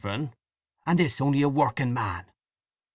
And this only a working man!"